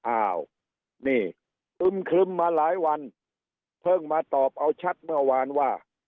อ้าวนี่อึมครึมมาหลายวันเพิ่งมาตอบเอาชัดเมื่อวานว่า